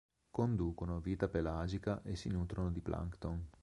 Conducono vita pelagica e si nutrono di plancton.